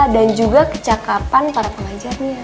dan juga kecakapan para pengajarnya